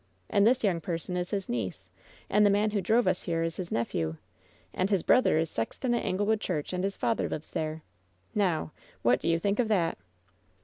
And this young person is his niece, and the man who drove us here is his nephew. And his brother is sexton at Angle wood Church, and his father lives there. Now I What do you think of that